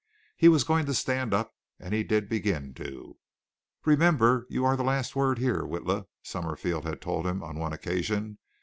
He was going to stand up, and he did begin to. "Remember, you are the last word here, Witla," Summerfield had told him on one occasion.